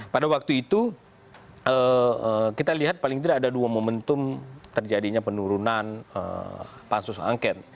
pada waktu itu kita lihat paling tidak ada dua momentum terjadinya penurunan pansus angket